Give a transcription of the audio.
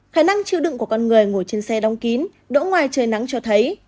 khả năng chịu đựng của con người ngồi trên xe đóng kín đỗ ngoài trời nắng cho thấy